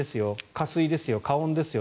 加水ですよ、加温ですよ